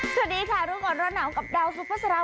สวัสดีค่ะรุ่นก่อนร้อนหนาวกับดาวซูเปอร์สาราว